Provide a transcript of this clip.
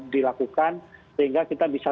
dilakukan sehingga kita bisa